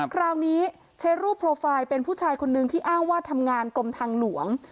คราวนี้ใช้รูปโปรไฟล์เป็นผู้ชายคนนึงที่อ้างว่าทำงานกรมทางหลวง